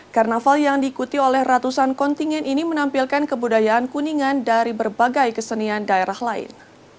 karnaval yang diikuti oleh ratusan kontingen ini menampilkan kebudayaan kuningan dari berbagai kesenian daerah lain